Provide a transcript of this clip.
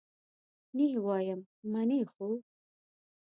نه یې وایم، منې خو؟